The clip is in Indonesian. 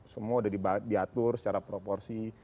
semua sudah diatur secara proporsi